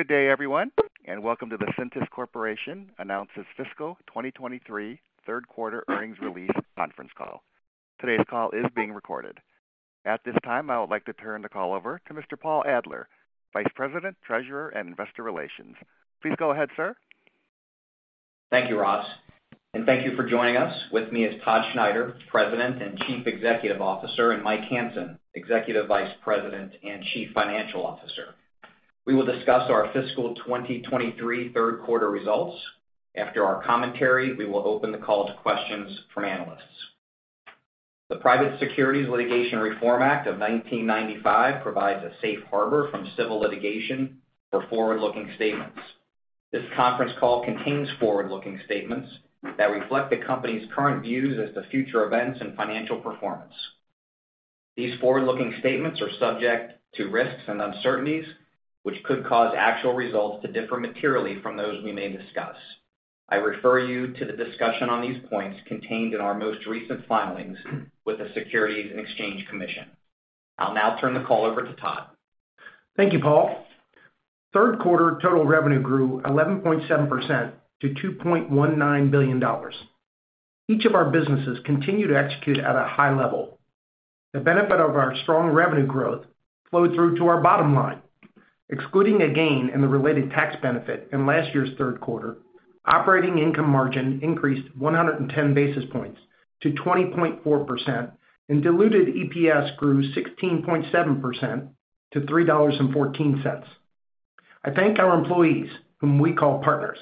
Good day, everyone, and welcome to the Cintas Corporation Announces Fiscal 2023 Third Quarter Earnings Release Conference Call. Today's call is being recorded. At this time, I would like to turn the call over to Mr. Paul Adler, Vice President, Treasurer, and Investor Relations. Please go ahead, sir. Thank you, Ross, and thank you for joining us. With me is Todd Schneider, President and Chief Executive Officer, and Mike Hansen, Executive Vice President and Chief Financial Officer. We will discuss our fiscal 2023 third quarter results. After our commentary, we will open the call to questions from analysts. The Private Securities Litigation Reform Act of 1995 provides a safe harbor from civil litigation for forward-looking statements. This conference call contains forward-looking statements that reflect the company's current views as to future events and financial performance. These forward-looking statements are subject to risks and uncertainties, which could cause actual results to differ materially from those we may discuss. I refer you to the discussion on these points contained in our most recent filings with the Securities and Exchange Commission. I'll now turn the call over to Todd. Thank you, Paul. Third quarter total revenue grew 11.7% to $2.19 billion. Each of our businesses continue to execute at a high level. The benefit of our strong revenue growth flowed through to our bottom line, excluding a gain in the related tax benefit in last year's third quarter. Operating income margin increased 110 basis points to 20.4% and diluted EPS grew 16.7% to $3.14. I thank our employees, whom we call partners,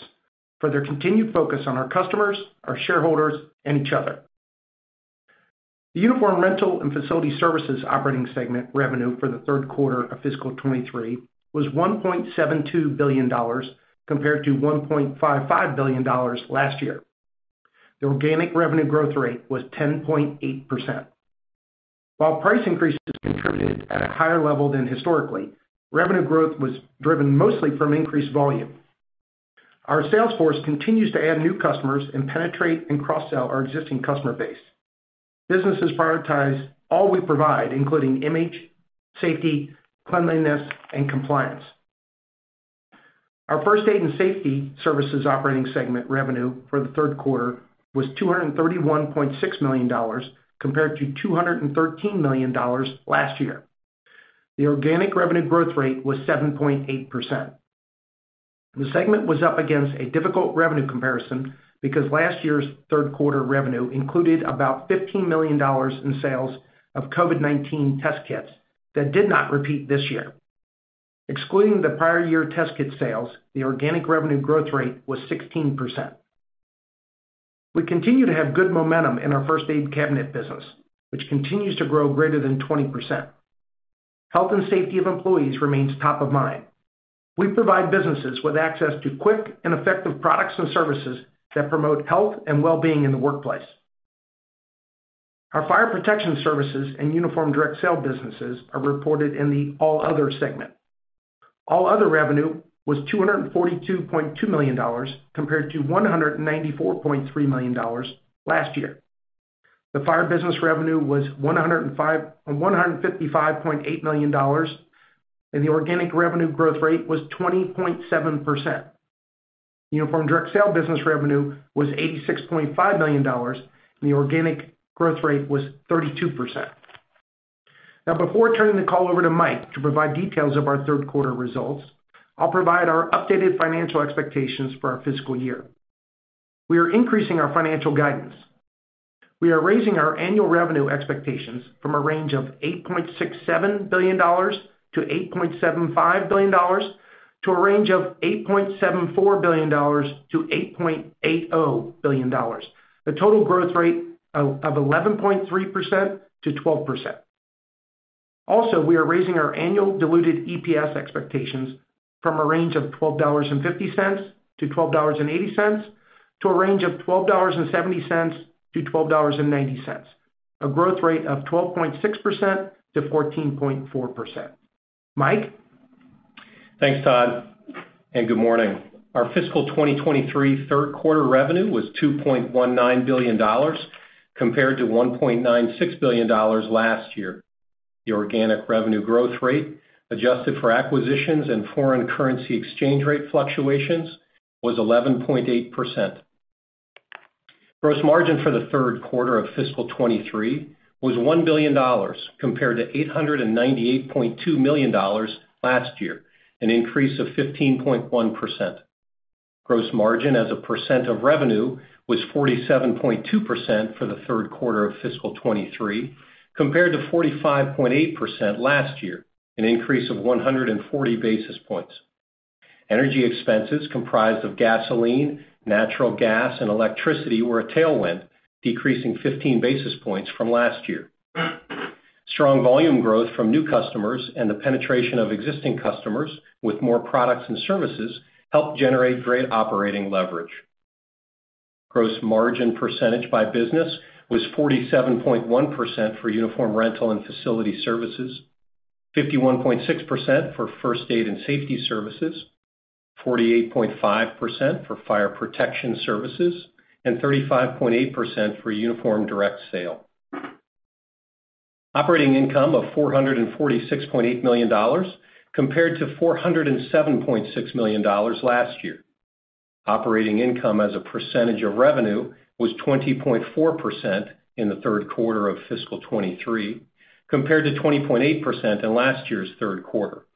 for their continued focus on our customers, our shareholders, and each other. The Uniform Rental and Facility Services operating segment revenue for the third quarter of fiscal 2023 was $1.72 billion compared to $1.55 billion last year. The organic revenue growth rate was 10.8%. While price increases contributed at a higher level than historically, revenue growth was driven mostly from increased volume. Our sales force continues to add new customers and penetrate and cross-sell our existing customer base. Businesses prioritize all we provide, including image, safety, cleanliness, and compliance. Our First Aid & Safety Services operating segment revenue for the third quarter was $231.6 million compared to $213 million last year. The organic revenue growth rate was 7.8%. The segment was up against a difficult revenue comparison because last year's third quarter revenue included about $15 million in sales of COVID-19 test kits that did not repeat this year. Excluding the prior year test kit sales, the organic revenue growth rate was 16%. We continue to have good momentum in our first aid cabinet business, which continues to grow greater than 20%. Health and safety of employees remains top of mind. We provide businesses with access to quick and effective products and services that promote health and wellbeing in the workplace. Our Fire Protection Services and Uniform Direct Sale businesses are reported in the All Other segment. All Other revenue was $242.2 million compared to $194.3 million last year. The Fire business revenue was $155.8 million, and the organic revenue growth rate was 20.7%. Uniform Direct Sale business revenue was $86.5 million, and the organic growth rate was 32%. Now, before turning the call over to Mike to provide details of our third quarter results, I'll provide our updated financial expectations for our fiscal year. We are increasing our financial guidance. We are raising our annual revenue expectations from a range of $8.67 billion-$8.75 billion to a range of $8.74 billion-$8.80 billion. The total growth rate of 11.3%-12%. We are raising our annual diluted EPS expectations from a range of $12.50-$12.80 to a range of $12.70-$12.90, a growth rate of 12.6%-14.4%. Mike? Thanks, Todd. Good morning. Our fiscal 2023 third quarter revenue was $2.19 billion compared to $1.96 billion last year. The organic revenue growth rate, adjusted for acquisitions and foreign currency exchange rate fluctuations, was 11.8%. Gross margin for the third quarter of fiscal 2023 was $1 billion compared to $898.2 million last year, an increase of 15.1%. Gross margin as a percent of revenue was 47.2% for the third quarter of fiscal 2023, compared to 45.8% last year, an increase of 140 basis points. Energy expenses comprised of gasoline, natural gas, and electricity were a tailwind, decreasing 15 basis points from last year. Strong volume growth from new customers and the penetration of existing customers with more products and services helped generate great operating leverage. Gross margin percentage by business was 47.1% for Uniform Rental and Facility Services, 51.6% for First Aid & Safety Services, 48.5% for Fire Protection Services, and 35.8% for Uniform Direct Sale. Operating income of $446.8 million compared to $407.6 million last year. Operating income as a percentage of revenue was 20.4% in the third quarter of fiscal 2023, compared to 20.8% in last year's third quarter.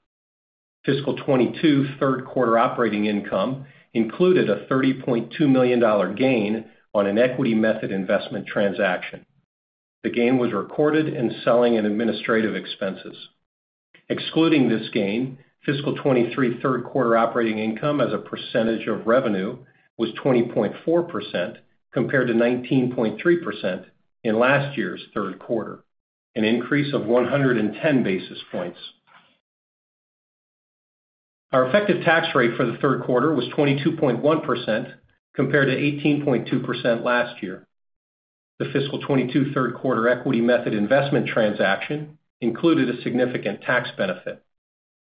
Fiscal 2022 third quarter operating income included a $30.2 million gain on an equity method investment transaction. The gain was recorded in selling and administrative expenses. Excluding this gain, fiscal 2023 third quarter operating income as a percentage of revenue was 20.4% compared to 19.3% in last year's third quarter, an increase of 110 basis points. Our effective tax rate for the third quarter was 22.1% compared to 18.2% last year. The fiscal 2022 third quarter equity method investment transaction included a significant tax benefit.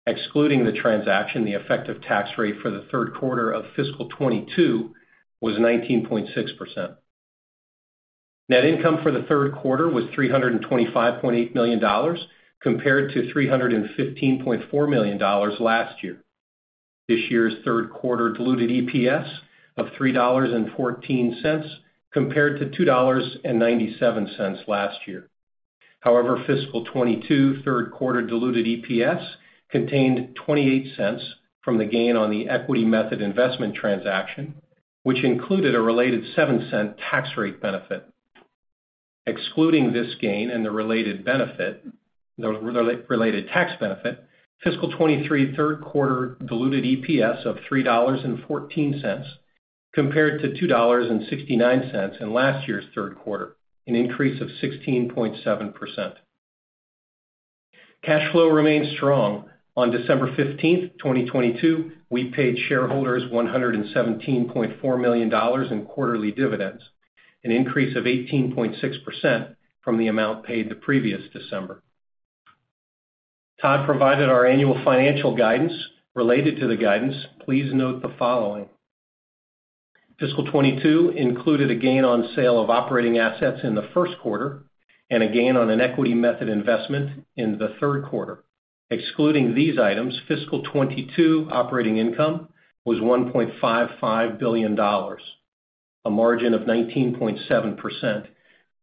Excluding the transaction, the effective tax rate for the third quarter of fiscal 2022 was 19.6%. Net income for the third quarter was $325.8 million compared to $315.4 million last year. This year's third quarter diluted EPS of $3.14 compared to $2.97 last year. Fiscal 2022 third quarter diluted EPS contained $0.28 from the gain on the equity method investment transaction, which included a related $0.07 tax rate benefit. Excluding this gain and the related tax benefit, fiscal 2023 third quarter diluted EPS of $3.14 compared to $2.69 in last year's third quarter, an increase of 16.7%. Cash flow remains strong. On December 15, 2022, we paid shareholders $117.4 million in quarterly dividends, an increase of 18.6% from the amount paid the previous December. Todd provided our annual financial guidance. Related to the guidance, please note the following. Fiscal 2022 included a gain on sale of operating assets in the first quarter and a gain on an equity method investment in the third quarter. Excluding these items, fiscal 2022 operating income was $1.55 billion, a margin of 19.7%,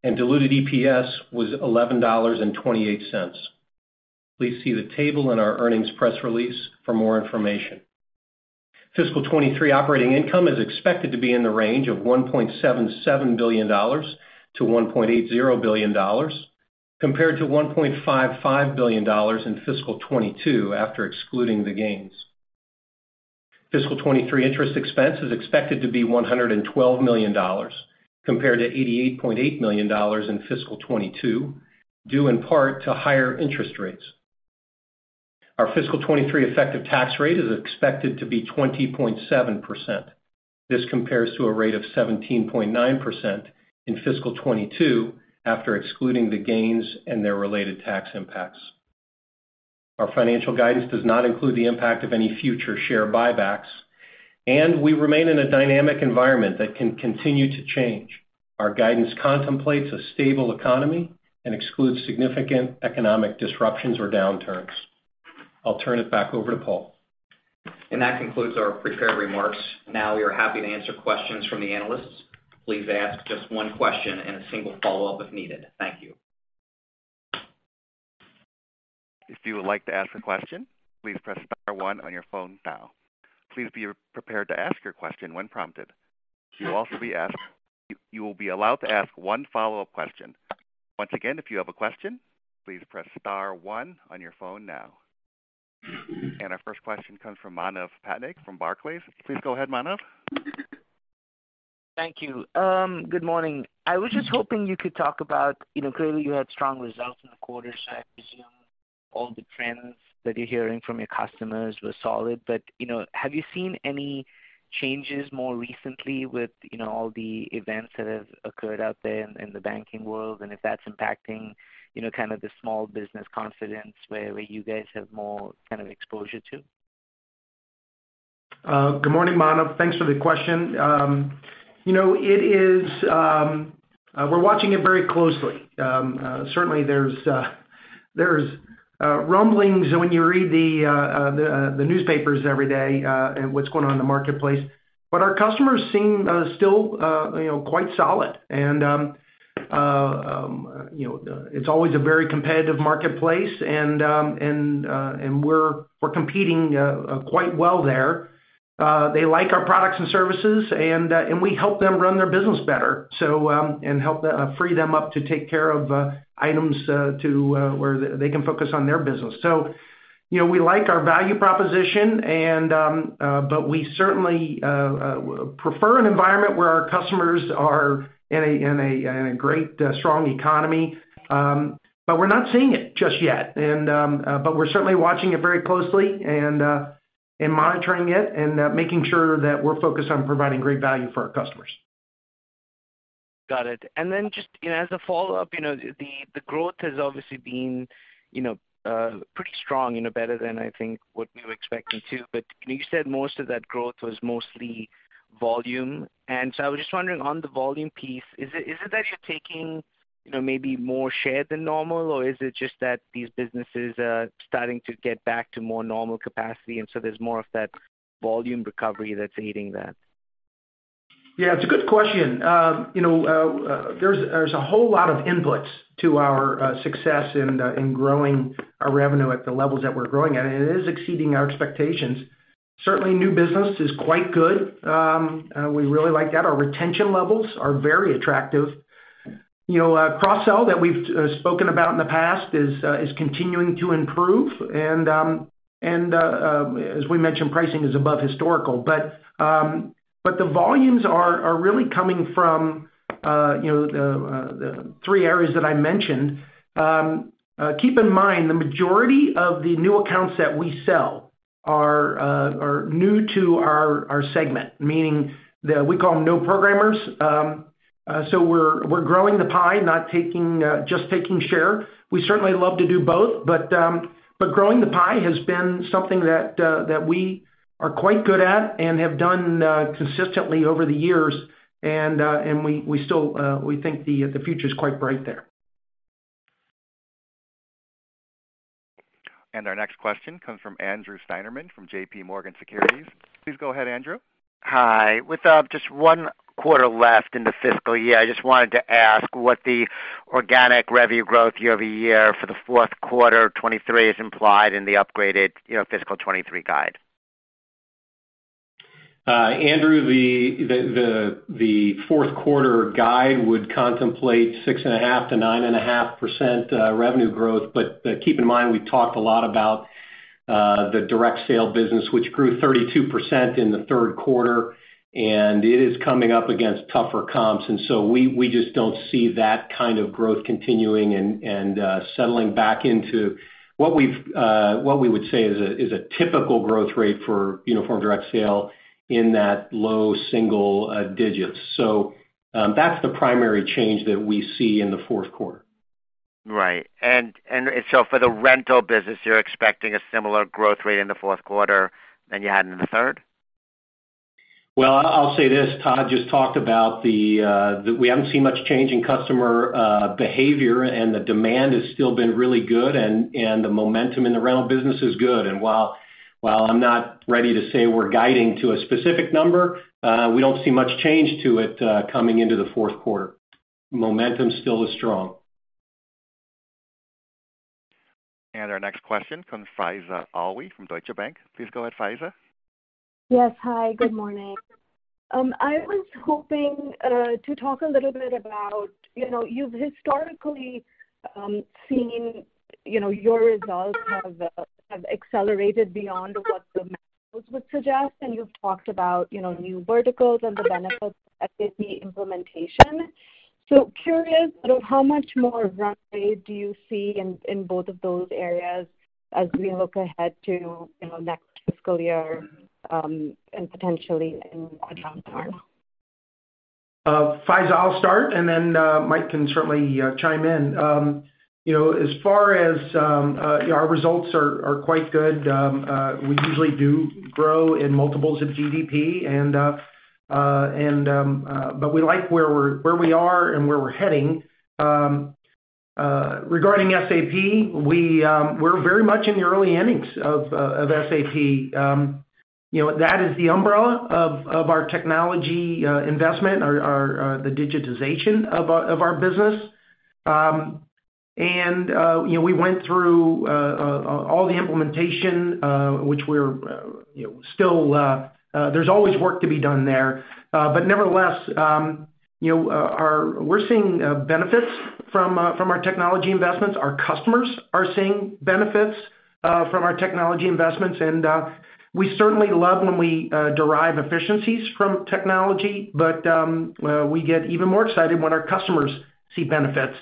and diluted EPS was $11.28. Please see the table in our earnings press release for more information. Fiscal 2023 operating income is expected to be in the range of $1.77 billion-$1.80 billion, compared to $1.55 billion in fiscal 2022 after excluding the gains. Fiscal 2023 interest expense is expected to be $112 million compared to $88.8 million in fiscal 2022, due in part to higher interest rates. Our fiscal 2023 effective tax rate is expected to be 20.7%. This compares to a rate of 17.9% in fiscal 2022 after excluding the gains and their related tax impacts. Our financial guidance does not include the impact of any future share buybacks. We remain in a dynamic environment that can continue to change. Our guidance contemplates a stable economy and excludes significant economic disruptions or downturns. I'll turn it back over to Paul. That concludes our prepared remarks. Now we are happy to answer questions from the analysts. Please ask just one question and a single follow-up if needed. Thank you. If you would like to ask a question, please press star one on your phone now. Please be prepared to ask your question when prompted. You will be allowed to ask one follow-up question. Once again, if you have a question, please press star one on your phone now. Our first question comes from Manav Patnaik from Barclays. Please go ahead, Manav. Thank you. Good morning. I was just hoping you could talk about, you know, clearly you had strong results in the quarter, so I presume all the trends that you're hearing from your customers were solid. You know, have you seen any changes more recently with, you know, all the events that have occurred out there in the banking world, and if that's impacting, you know, kind of the small business confidence where you guys have more kind of exposure to? Good morning, Manav. Thanks for the question. You know, it is, we're watching it very closely. Certainly there's rumblings when you read the newspapers every day and what's going on in the marketplace. Our customers seem still, you know, quite solid. You know, it's always a very competitive marketplace and we're competing quite well there. They like our products and services and we help them run their business better, so and help them free them up to take care of items to where they can focus on their business. You know, we like our value proposition and, but we certainly, prefer an environment where our customers are in a great, strong economy. We're not seeing it just yet and, but we're certainly watching it very closely and monitoring it and making sure that we're focused on providing great value for our customers. Got it. Just, you know, the growth has obviously been, you know, pretty strong, you know, better than I think what we were expecting to. You said most of that growth was mostly volume. I was just wondering on the volume piece, is it that you're taking, you know, maybe more share than normal? Is it just that these businesses are starting to get back to more normal capacity, and so there's more of that volume recovery that's eating that? Yeah, it's a good question. you know, there's a whole lot of inputs to our success in growing our revenue at the levels that we're growing, and it is exceeding our expectations. Certainly, new business is quite good. We really like that. Our retention levels are very attractive. You know, cross-sell that we've spoken about in the past is continuing to improve, and as we mentioned, pricing is above historical. The volumes are really coming from, you know, the three areas that I mentioned. Keep in mind, the majority of the new accounts that we sell are new to our segment, meaning we call them new programmers. We're, we're growing the pie, not taking, just taking share. We certainly love to do both, but growing the pie has been something that we are quite good at and have done, consistently over the years. We, we still, we think the future is quite bright there. Our next question comes from Andrew Steinerman from J.P. Morgan Securities LLC. Please go ahead, Andrew. Hi. With just one quarter left in the fiscal year, I just wanted to ask what the organic revenue growth year-over-year for the fourth quarter 2023 is implied in the upgraded, you know, fiscal 2023 guide? Andrew, the fourth quarter guide would contemplate 6.5%-9.5% revenue growth. Keep in mind, we talked a lot about the Uniform Direct Sale business, which grew 32% in the third quarter, and it is coming up against tougher comps. We just don't see that kind of growth continuing and settling back into what we would say is a typical growth rate for Uniform Direct Sale in that low single digits. That's the primary change that we see in the fourth quarter. Right. For the rental business, you're expecting a similar growth rate in the fourth quarter than you had in the third? Well, I'll say this, Todd just talked about the that we haven't seen much change in customer behavior, and the demand has still been really good and the momentum in the rental business is good. While I'm not ready to say we're guiding to a specific number, we don't see much change to it, coming into the fourth quarter. Momentum still is strong. Our next question comes Faiza Alwy from Deutsche Bank. Please go ahead, Faiza. Yes. Hi, good morning. I was hoping to talk a little bit about, you know, you've historically seen, you know, your results have accelerated beyond what the models would suggest, and you've talked about, you know, new verticals and the benefits of SAP implementation. Curious about how much more runway do you see in both of those areas as we look ahead to, you know, next fiscal year, and potentially in the long term? Faiza, I'll start, and then Mike can certainly chime in. You know, as far as our results are quite good. We usually do grow in multiples of GDP and, but we like where we're, where we are and where we're heading. Regarding SAP, we're very much in the early innings of SAP. You know, that is the umbrella of our technology investment, our the digitization of our business. You know, we went through all the implementation, which we're, you know, still. There's always work to be done there. Nevertheless, you know, we're seeing benefits from our technology investments. Our customers are seeing benefits from our technology investments. We certainly love when we derive efficiencies from technology, but we get even more excited when our customers see benefits,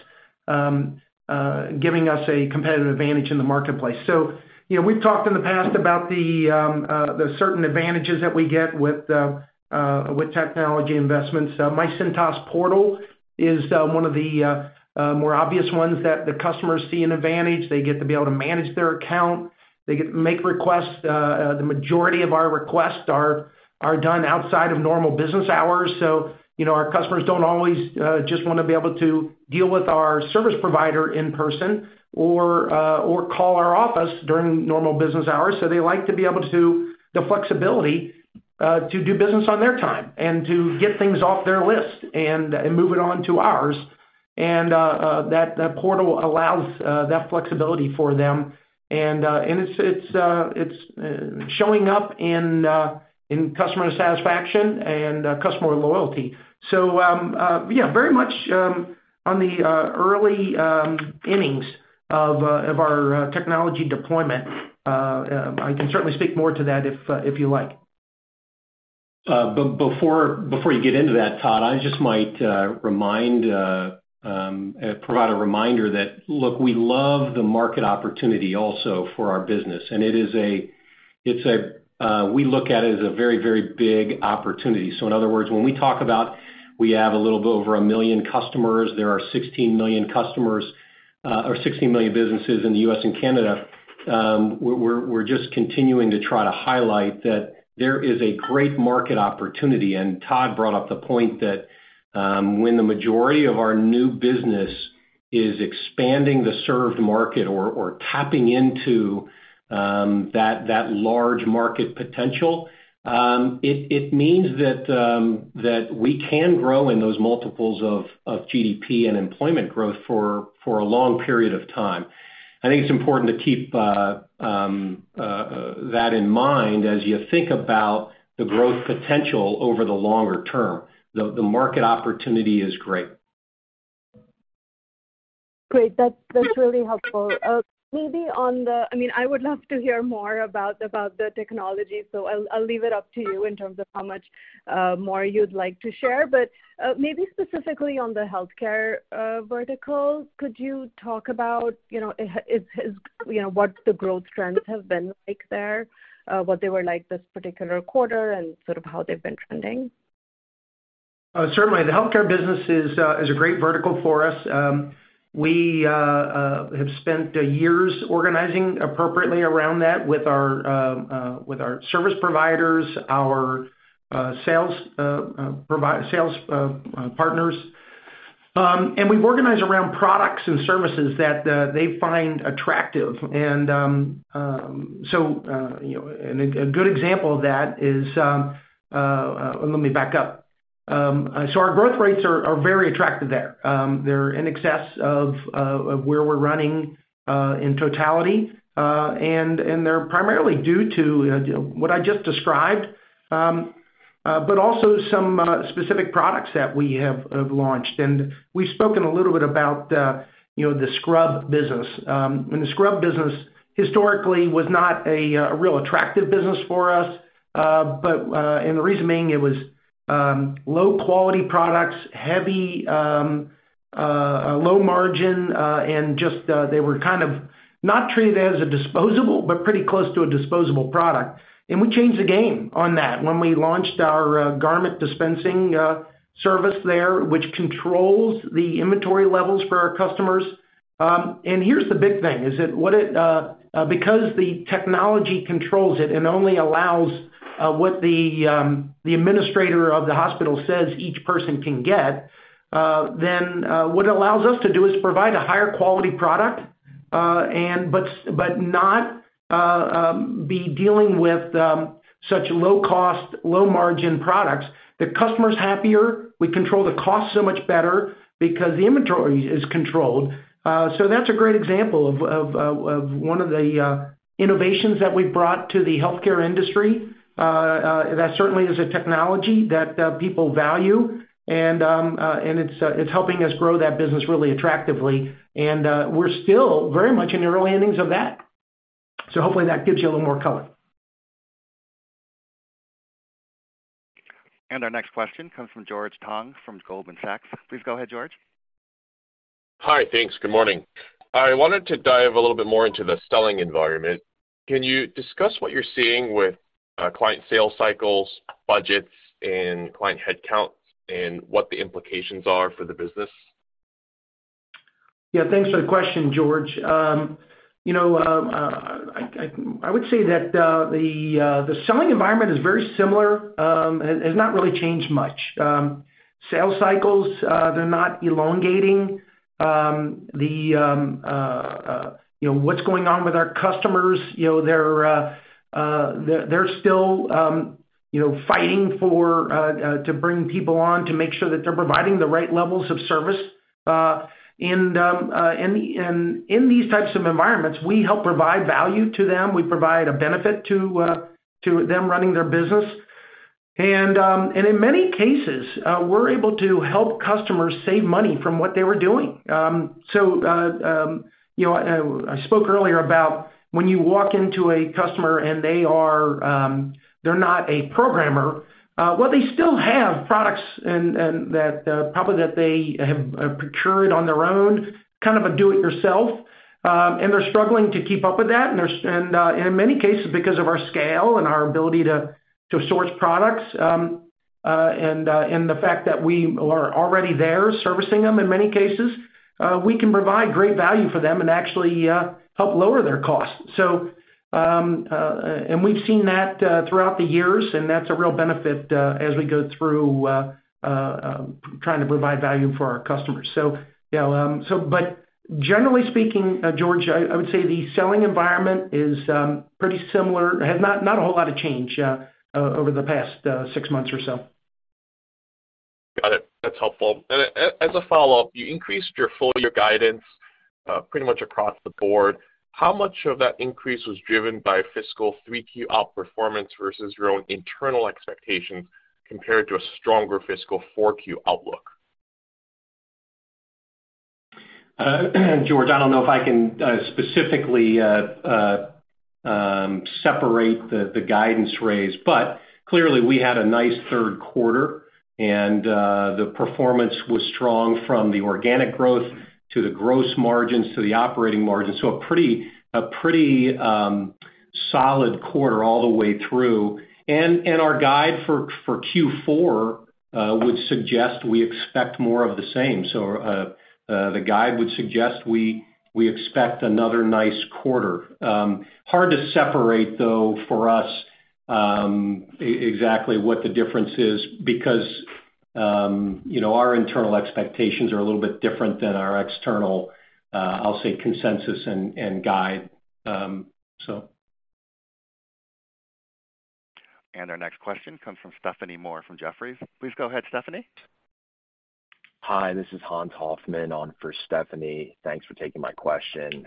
giving us a competitive advantage in the marketplace. You know, we've talked in the past about the certain advantages that we get with technology investments, myCintas Portal is one of the more obvious ones that the customers see an advantage. They get to be able to manage their account. They get to make requests. The majority of our requests are done outside of normal business hours. You know, our customers don't always just wanna be able to deal with our service provider in person or call our office during normal business hours. They like to be able to... the flexibility to do business on their time and to get things off their list and move it on to ours. That portal allows that flexibility for them. It's showing up in customer satisfaction and customer loyalty. Yeah, very much on the early innings of our technology deployment. I can certainly speak more to that if you like. Before you get into that, Todd, I just might provide a reminder that, look, we love the market opportunity also for our business. It's a, we look at it as a very big opportunity. In other words, when we talk about we have a little bit over one million customers, there are 16 million customers or 16 million businesses in the U.S. and Canada, we're just continuing to try to highlight that there is a great market opportunity. Todd brought up the point that when the majority of our new business is expanding the served market or tapping into that large market potential, it means that we can grow in those multiples of GDP and employment growth for a long period of time. I think it's important to keep that in mind as you think about the growth potential over the longer term. The market opportunity is great. Great. That's really helpful. I mean, I would love to hear more about the technology, so I'll leave it up to you in terms of how much more you'd like to share. Maybe specifically on the healthcare vertical, could you talk about, you know, is, you know, what the growth trends have been like there? What they were like this particular quarter and sort of how they've been trending. Certainly. The healthcare business is a great vertical for us. We have spent years organizing appropriately around that with our service providers, our sales partners. We've organized around products and services that they find attractive. You know, a good example of that is, let me back up. Our growth rates are very attractive there. They're in excess of where we're running in totality. They're primarily due to what I just described, but also some specific products that we have launched. We've spoken a little bit about, you know, the Scrub business. The Scrub business historically was not a real attractive business for us. The reason being it was low-quality products, heavy, low margin, and just they were kind of not treated as a disposable but pretty close to a disposable product. We changed the game on that when we launched our garment dispensing service there, which controls the inventory levels for our customers. Here's the big thing, is that what it, because the technology controls it and only allows what the administrator of the hospital says each person can get, then what it allows us to do is provide a higher quality product and not be dealing with such low cost, low margin products. The customer's happier, we control the cost so much better because the inventory is controlled. That's a great example of one of the innovations that we've brought to the healthcare industry. That certainly is a technology that people value, and it's helping us grow that business really attractively. We're still very much in the early innings of that. Hopefully that gives you a little more color. Our next question comes from George Tong from Goldman Sachs. Please go ahead, George. Hi. Thanks. Good morning. I wanted to dive a little bit more into the selling environment. Can you discuss what you're seeing with, client sales cycles, budgets and client headcount, and what the implications are for the business? Yeah, thanks for the question, George. You know, I would say that the selling environment is very similar, has not really changed much. Sales cycles, they're not elongating. You know, what's going on with our customers, you know, they're still, you know, fighting for to bring people on, to make sure that they're providing the right levels of service. In these types of environments, we help provide value to them. We provide a benefit to them running their business. In many cases, we're able to help customers save money from what they were doing. You know, I spoke earlier about when you walk into a customer and they are, they're not a programmer, well, they still have products and that, probably that they have procured on their own, kind of a do it yourself. They're struggling to keep up with that. In many cases, because of our scale and our ability to source products, and the fact that we are already there servicing them in many cases, we can provide great value for them and actually, help lower their costs. We've seen that throughout the years, and that's a real benefit as we go through trying to provide value for our customers. Yeah, generally speaking, George, I would say the selling environment is pretty similar. Has not a whole lot of change over the past six months or so. Got it. That's helpful. As a follow-up, you increased your full year guidance pretty much across the board. How much of that increase was driven by fiscal 3Q outperformance versus your own internal expectations compared to a stronger fiscal 4Q outlook? George, I don't know if I can specifically separate the guidance raise, but clearly we had a nice third quarter and the performance was strong from the organic growth to the gross margins to the operating margin. A pretty solid quarter all the way through. Our guide for Q4 would suggest we expect more of the same. The guide would suggest we expect another nice quarter. Hard to separate though for us, exactly what the difference is because, you know, our internal expectations are a little bit different than our external, I'll say, consensus and guide. Our next question comes from Stephanie Moore from Jefferies. Please go ahead, Stephanie. Hi, this is Hans Hoffman on for Stephanie. Thanks for taking my question.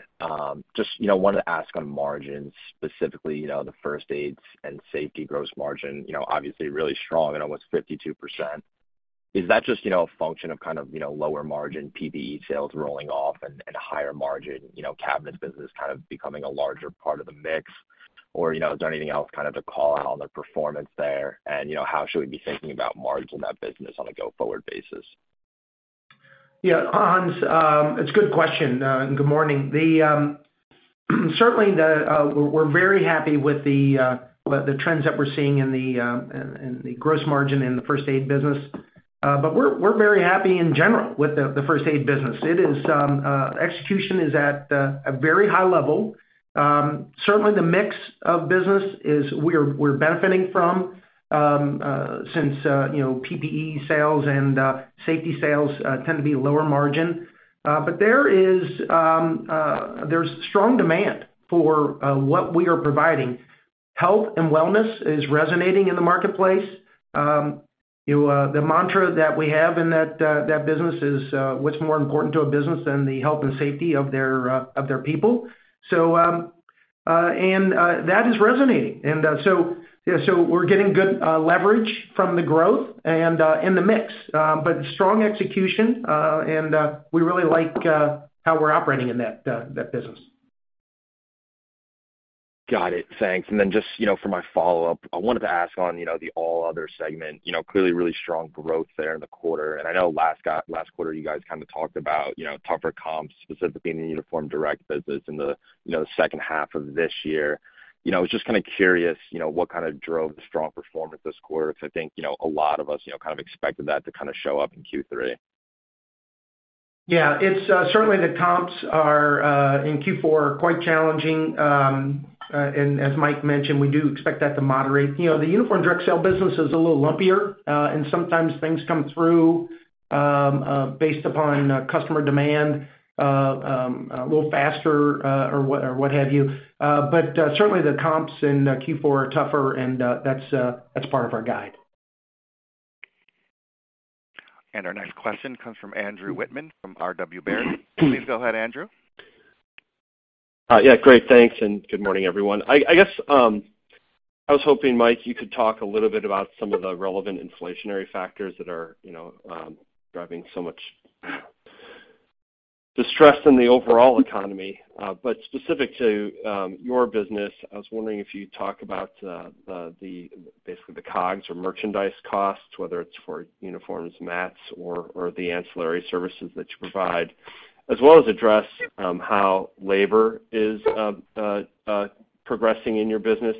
Just, you know, wanted to ask on margins, specifically, you know, the First Aid & Safety gross margin. You know, obviously really strong at almost 52%. Is that just, you know, a function of kind of, you know, lower margin PPE sales rolling off and higher margin, you know, cabinet business kind of becoming a larger part of the mix? Or, you know, is there anything else kind of to call out on the performance there? How should we be thinking about margin in that business on a go-forward basis? Hans, it's a good question, and good morning. Certainly, we're very happy with the trends that we're seeing in the gross margin in the First Aid business. We're very happy in general with the First Aid business. It is execution is at a very high level. Certainly, the mix of business is we're benefiting from since you know PPE sales and safety sales tend to be lower margin. There is strong demand for what we are providing. Health and wellness is resonating in the marketplace. The mantra that we have in that business is what's more important to a business than the health and safety of their people. That is resonating. So we're getting good leverage from the growth and in the mix. Strong execution, and we really like how we're operating in that business. Got it. Thanks. Just, you know, for my follow-up, I wanted to ask on, you know, the All Other segment, you know, clearly really strong growth there in the quarter. I know last quarter, you guys kind of talked about, you know, tougher comps, specifically in the Uniform Direct Sale business in the, you know, second half of this year. I was just kind of curious, you know, what kind of drove the strong performance this quarter, 'cause I think, you know, a lot of us, you know, kind of expected that to kind of show up in Q3. Yeah. It's certainly the comps are in Q4 quite challenging, and as Mike mentioned, we do expect that to moderate. You know, the Uniform Direct Sale business is a little lumpier, and sometimes things come through based upon customer demand a little faster, or what have you. Certainly the comps in Q4 are tougher, and that's part of our guide. Our next question comes from Andrew Wittmann from R.W. Baird. Please go ahead, Andrew. Yeah, great. Thanks, and good morning, everyone. I guess, I was hoping, Mike, you could talk a little bit about some of the relevant inflationary factors that are, you know, driving so much distress in the overall economy. Specific to your business, I was wondering if you'd talk about the, basically the cogs or merchandise costs, whether it's for uniforms, mats, or the ancillary services that you provide, as well as address how labor is progressing in your business.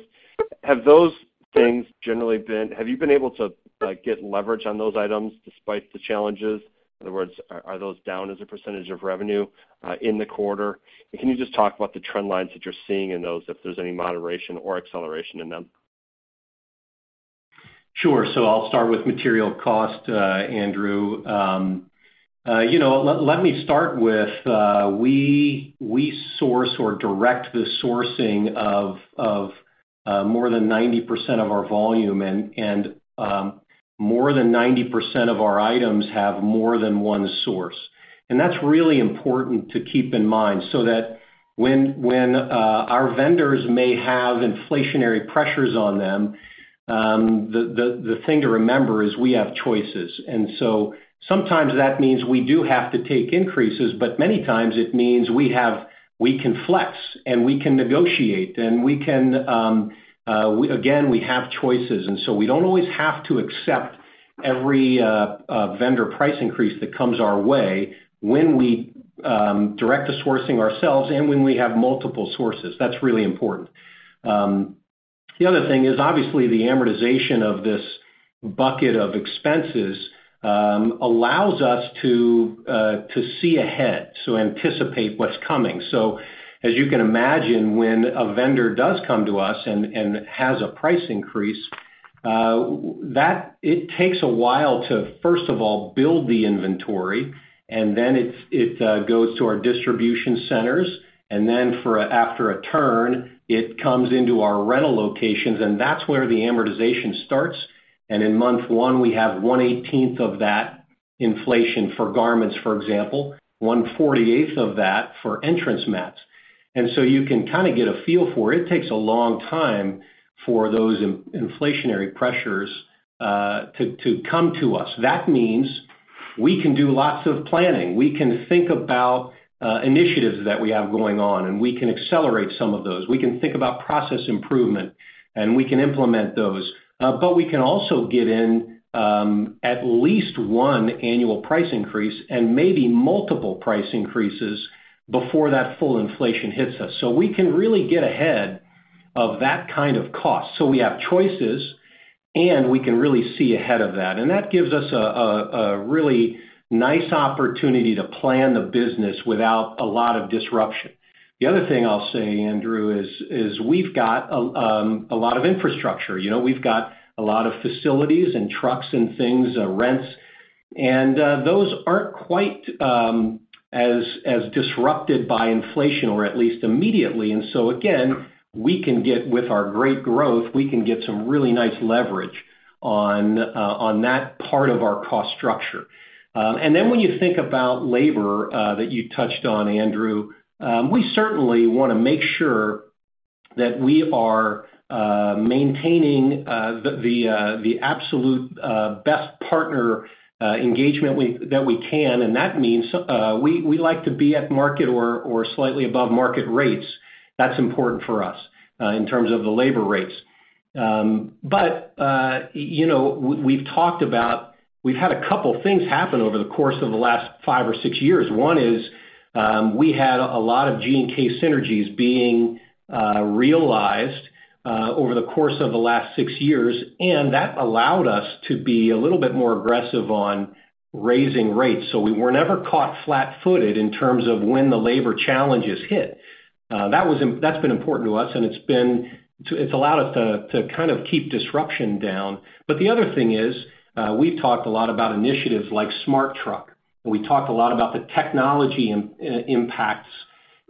Have those things generally have you been able to, like, get leverage on those items despite the challenges? In other words, are those down as a percentage of revenue in the quarter? Can you just talk about the trend lines that you're seeing in those, if there's any moderation or acceleration in them? Sure. I'll start with material cost, Andrew. you know, let me start with, we source or direct the sourcing of more than 90% of our volume and more than 90% of our items have more than one source. That's really important to keep in mind so that when our vendors may have inflationary pressures on them, the thing to remember is we have choices. Sometimes that means we do have to take increases, but many times it means we can flex, and we can negotiate, and we can, again, we have choices, we don't always have to accept every vendor price increase that comes our way when we direct the sourcing ourselves and when we have multiple sources. That's really important. The other thing is, obviously, the amortization of this bucket of expenses, allows us to see ahead, to anticipate what's coming. As you can imagine, when a vendor does come to us and has a price increase, it takes a while to, first of all, build the inventory, and then it goes to our distribution centers, and then after a turn, it comes into our rental locations, and that's where the amortization starts. In month one, we have 1/18 of that inflation for garments, for example, 1/48 of that for entrance mats. You can kind of get a feel for it. It takes a long time for those in-inflationary pressures to come to us. That means we can do lots of planning. We can think about initiatives that we have going on, and we can accelerate some of those. We can think about process improvement, and we can implement those. We can also get in at least one annual price increase and maybe multiple price increases before that full inflation hits us. We can really get ahead of that kind of cost. We have choices. We can really see ahead of that. That gives us a really nice opportunity to plan the business without a lot of disruption. The other thing I'll say, Andrew, is we've got a lot of infrastructure. You know, we've got a lot of facilities and trucks and things, rents, and those aren't quite as disrupted by inflation or at least immediately. Again, with our great growth, we can get some really nice leverage on that part of our cost structure. When you think about labor that you touched on, Andrew, we certainly wanna make sure that we are maintaining the absolute best partner engagement that we can, and that means we like to be at market or slightly above market rates. That's important for us in terms of the labor rates. You know, we've talked about we've had a couple things happen over the course of the last five or six years. One is, we had a lot of G&K synergies being realized over the course of the last six years, and that allowed us to be a little bit more aggressive on raising rates. We were never caught flat-footed in terms of when the labor challenges hit. That's been important to us, and it's allowed us to keep disruption down. The other thing is, we've talked a lot about initiatives like SmartTruck. We talked a lot about the technology impacts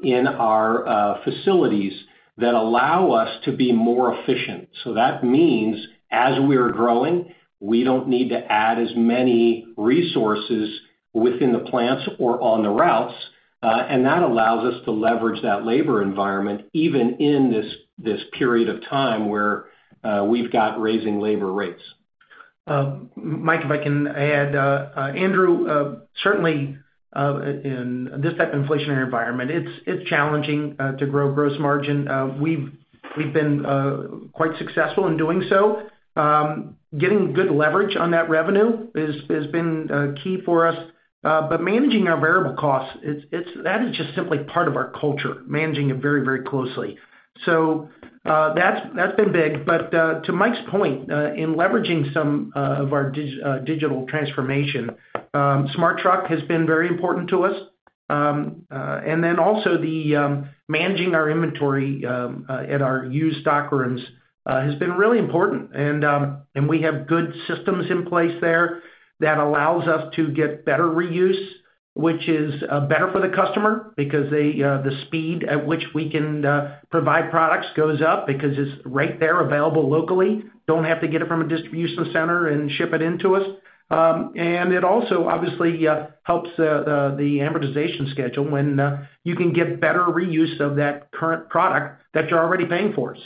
in our facilities that allow us to be more efficient. That means as we're growing, we don't need to add as many resources within the plants or on the routes, and that allows us to leverage that labor environment even in this period of time where, we've got raising labor rates. Mike, if I can add, Andrew, certainly, in this type of inflationary environment, it's challenging to grow gross margin. We've been quite successful in doing so. Getting good leverage on that revenue has been key for us. But managing our variable costs, that is just simply part of our culture, managing it very, very closely. That's been big. To Mike's point, in leveraging some of our digital transformation, SmartTruck has been very important to us. Also the managing our inventory in our used stock rooms has been really important. We have good systems in place there that allows us to get better reuse, which is better for the customer because they the speed at which we can provide products goes up because it's right there available locally. Don't have to get it from a distribution center and ship it into us. It also obviously helps the amortization schedule when you can get better reuse of that current product that you're already paying for.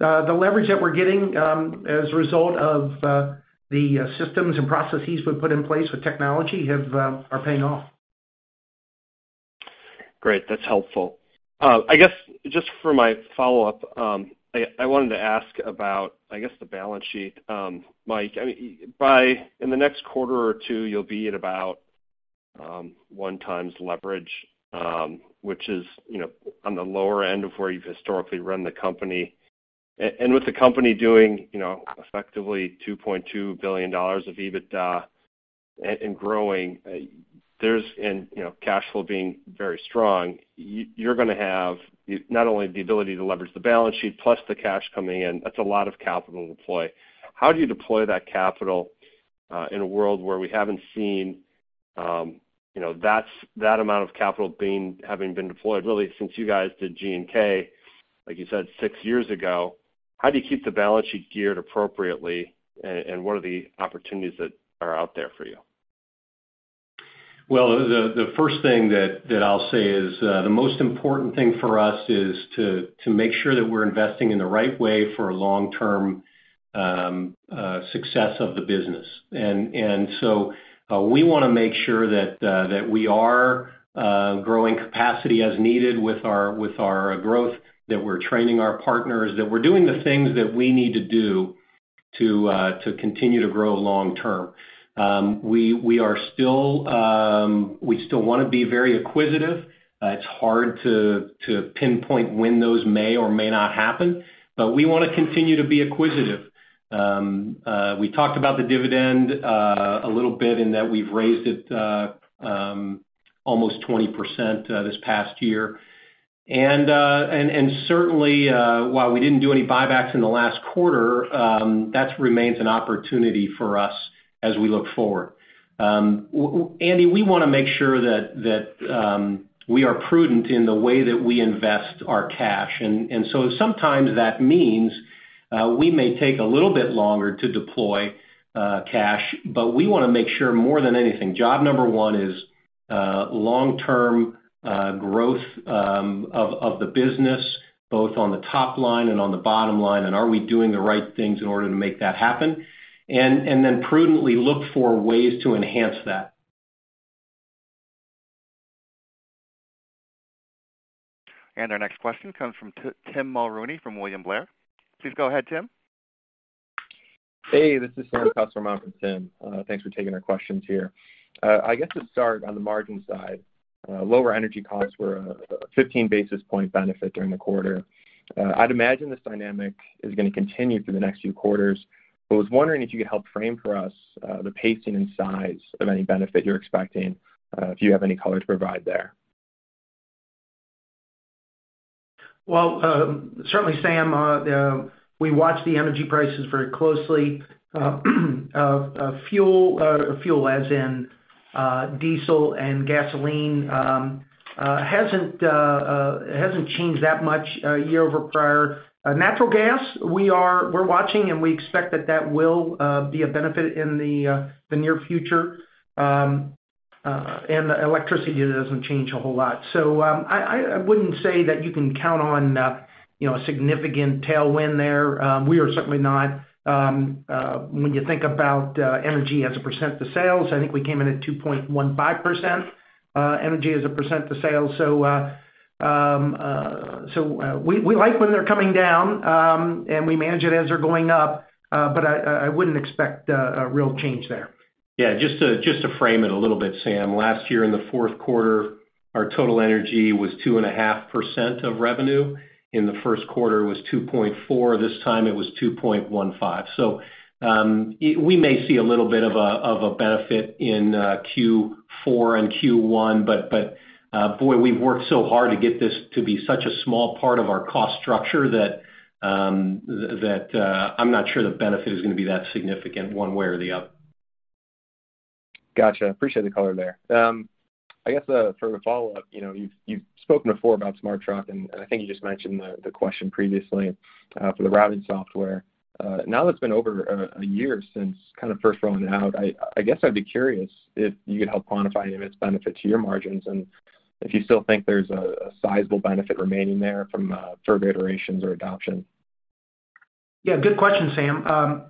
The leverage that we're getting as a result of the systems and processes we've put in place with technology have are paying off. Great. That's helpful. I guess just for my follow-up, I wanted to ask about, I guess the balance sheet. Mike, I mean, in the next quarter or two, you'll be at about one times leverage, which is, you know, on the lower end of where you've historically run the company. With the company doing, you know, effectively $2.2 billion of EBITDA and growing, and, you know, cash flow being very strong, you're gonna have not only the ability to leverage the balance sheet plus the cash coming in, that's a lot of capital to deploy. How do you deploy that capital in a world where we haven't seen, you know, that amount of capital deployed really since you guys did G&K, like you said, six years ago? How do you keep the balance sheet geared appropriately? What are the opportunities that are out there for you? Well, the first thing that I'll say is, the most important thing for us is to make sure that we're investing in the right way for long-term success of the business. We wanna make sure that we are growing capacity as needed with our growth, that we're training our partners, that we're doing the things that we need to do to continue to grow long term. We still wanna be very acquisitive. It's hard to pinpoint when those may or may not happen, but we wanna continue to be acquisitive. We talked about the dividend a little bit and that we've raised it almost 20% this past year. Certainly, while we didn't do any buybacks in the last quarter, that remains an opportunity for us as we look forward. Andy, we wanna make sure that we are prudent in the way that we invest our cash. So sometimes that means, we may take a little bit longer to deploy cash, but we wanna make sure more than anything, job number one is long-term growth of the business, both on the top line and on the bottom line, and are we doing the right things in order to make that happen? Then prudently look for ways to enhance that. And our next question comes from Tim Mulrooney from William Blair. Please go ahead, Tim. Hey, this is Sam on for Tim. Thanks for taking our questions here. I guess to start on the margin side, lower energy costs were a 15 basis point benefit during the quarter. I'd imagine this dynamic is gonna continue through the next few quarters. I was wondering if you could help frame for us the pacing and size of any benefit you're expecting if you have any color to provide there. Well, certainly, Sam, we watch the energy prices very closely. Fuel as in diesel and gasoline, hasn't changed that much year over prior. Natural gas, we're watching, and we expect that that will be a benefit in the near future. And the electricity doesn't change a whole lot. I wouldn't say that you can count on, you know, a significant tailwind there. We are certainly not, when you think about energy as a percent of sales, I think we came in at 2.15% energy as a percent of sales. We like when they're coming down, and we manage it as they're going up. I wouldn't expect a real change there. Just to frame it a little bit, Sam. Last year in the fourth quarter, our total energy was 2.5% of revenue. In the first quarter, it was 2.4%. This time it was 2.15%. We may see a little bit of a benefit in Q4 and Q1, but boy, we've worked so hard to get this to be such a small part of our cost structure that I'm not sure the benefit is gonna be that significant one way or the other. Gotcha. Appreciate the color there. I guess for the follow-up, you know, you've spoken before about SmartTruck, and I think you just mentioned the question previously for the routing software. Now that it's been over a year since kinda first rolling it out, I guess I'd be curious if you could help quantify any of its benefit to your margins and if you still think there's a sizable benefit remaining there from further iterations or adoption? Yeah, good question, Sam.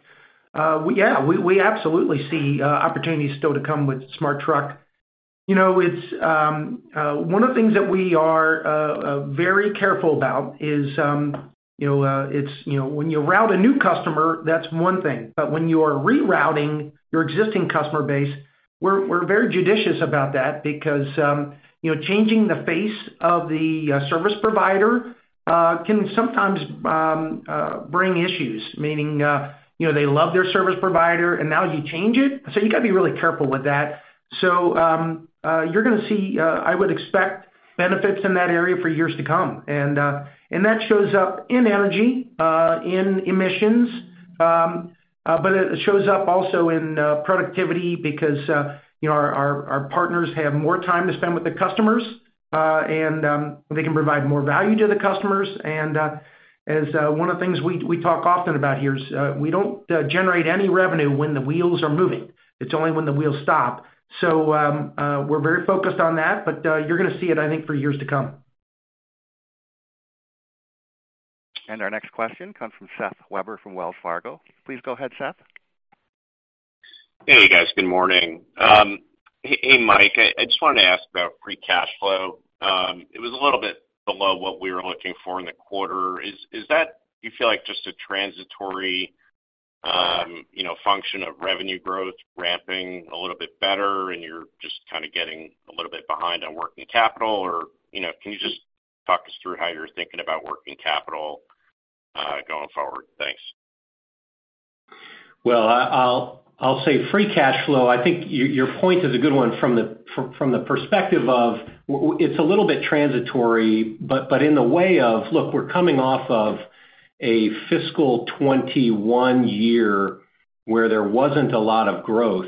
Yeah, we absolutely see opportunities still to come with SmartTruck. You know, it's one of the things that we are very careful about is, you know, it's, you know, when you route a new customer, that's one thing. When you are rerouting your existing customer base, we're very judicious about that because, you know, changing the face of the service provider, can sometimes bring issues, meaning, you know, they love their service provider, and now you change it? You gotta be really careful with that. You're gonna see, I would expect benefits in that area for years to come. That shows up in energy, in emissions, but it shows up also in productivity because, you know, our partners have more time to spend with the customers, and they can provide more value to the customers. As, one of the things we talk often about here is, we don't generate any revenue when the wheels are moving. It's only when the wheels stop. We're very focused on that, you're gonna see it, I think, for years to come. Our next question comes from Seth Weber from Wells Fargo. Please go ahead, Seth. Hey, you guys. Good morning. Hey, Mike, I just wanted to ask about free cash flow. It was a little bit below what we were looking for in the quarter. Is that you feel like just a transitory, you know, function of revenue growth ramping a little bit better and you're just kinda getting a little bit behind on working capital? Or, you know, can you just talk us through how you're thinking about working capital going forward? Thanks. Well, I'll say free cash flow, I think your point is a good one from the perspective of it's a little bit transitory, but in the way of, look, we're coming off of a fiscal 2021 year where there wasn't a lot of growth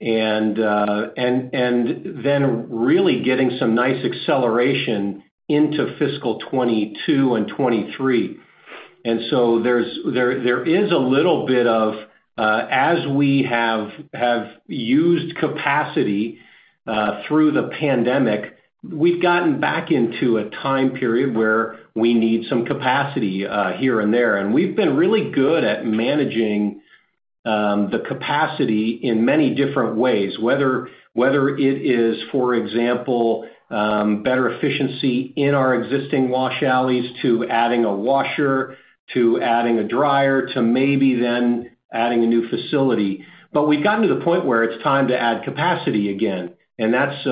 and then really getting some nice acceleration into fiscal 2022 and 2023. There's there is a little bit of as we have used capacity through the pandemic, we've gotten back into a time period where we need some capacity here and there. We've been really good at managing the capacity in many different ways, whether it is, for example, better efficiency in our existing wash alleys to adding a washer, to adding a dryer, to maybe then adding a new facility. We've gotten to the point where it's time to add capacity again, and that's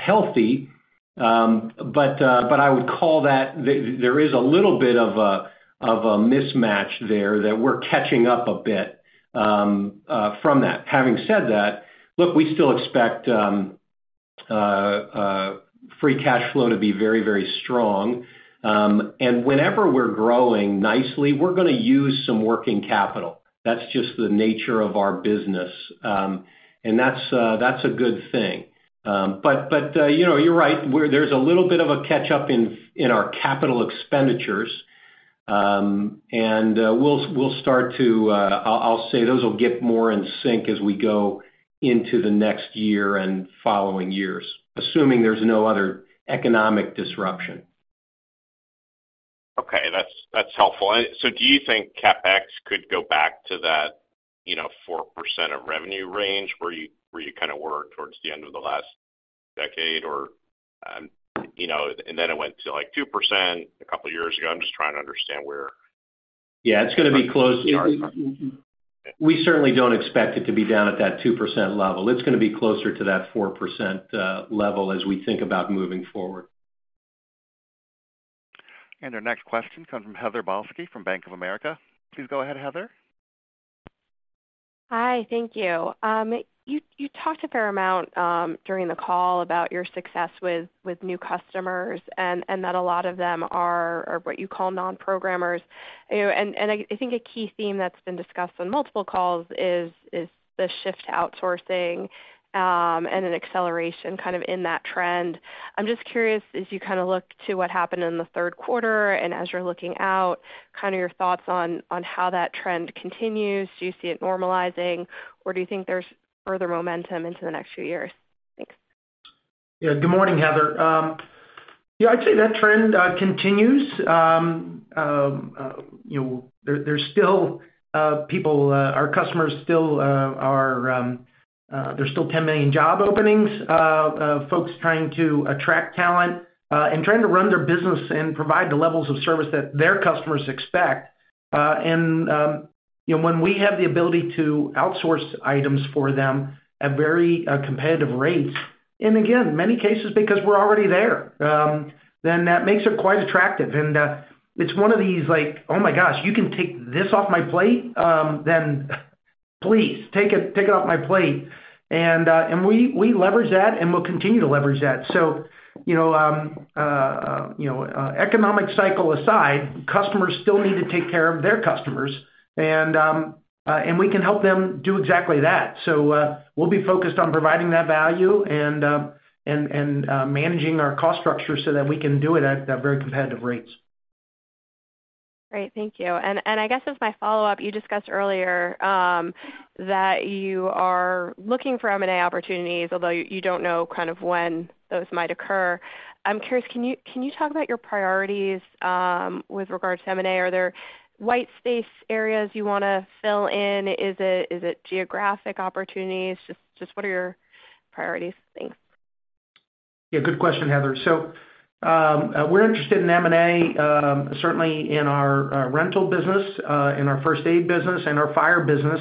healthy. I would call that there is a little bit of a, of a mismatch there that we're catching up a bit from that. Having said that, look, we still expect free cash flow to be very, very strong. Whenever we're growing nicely, we're gonna use some working capital. That's just the nature of our business. That's, that's a good thing. You know, you're right. There's a little bit of a catch-up in our capital expenditures. We'll start to, I'll say those will get more in sync as we go into the next year and following years, assuming there's no other economic disruption. Okay, that's helpful. Do you think CapEx could go back to that, you know, 4% of revenue range where you, where you kind of were towards the end of the last decade or, you know, and then it went to, like, 2% a couple years ago? I'm just trying to understand. Yeah, it's gonna be close. We certainly don't expect it to be down at that 2% level. It's gonna be closer to that 4% level as we think about moving forward. Our next question comes from Heather Balsky from Bank of America. Please go ahead, Heather. Hi. Thank you. you talked a fair amount during the call about your success with new customers and that a lot of them are what you call non-programmers. You know, I think a key theme that's been discussed on multiple calls is the shift to outsourcing and an acceleration kind of in that trend. I'm just curious, as you kind of look to what happened in the third quarter and as you're looking out, kind of your thoughts on how that trend continues. Do you see it normalizing, or do you think there's further momentum into the next few years? Thanks. Good morning, Heather. I'd say that trend continues. You know, there's still 10 million job openings of folks trying to attract talent and trying to run their business and provide the levels of service that their customers expect. You know, when we have the ability to outsource items for them at very competitive rates, and again, many cases because we're already there, then that makes it quite attractive. It's one of these, like, "Oh my gosh, you can take this off my plate? Then please take it, take it off my plate." We leverage that, and we'll continue to leverage that. You know, you know, economic cycle aside, customers still need to take care of their customers and we can help them do exactly that. We'll be focused on providing that value and, managing our cost structure so that we can do it at very competitive rates. Great. Thank you. I guess as my follow-up, you discussed earlier that you are looking for M&A opportunities, although you don't know kind of when those might occur. I'm curious, can you talk about your priorities with regards to M&A? Are there white space areas you wanna fill in? Is it geographic opportunities? Just what are your priorities? Thanks. Yeah, good question, Heather. We're interested in M&A, certainly in our rental business, in our First Aid business and our fire business.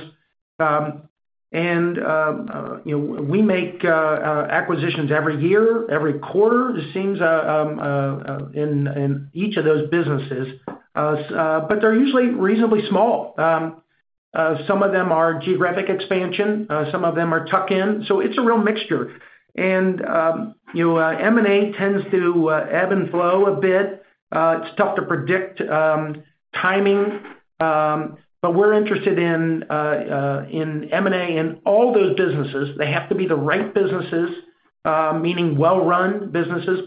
You know, we make acquisitions every year, every quarter, it seems, in each of those businesses. They're usually reasonably small. Some of them are geographic expansion, some of them are tuck-in, so it's a real mixture. You know, M&A tends to ebb and flow a bit. It's tough to predict timing, but we're interested in M&A in all those businesses. They have to be the right businesses, meaning well-run businesses.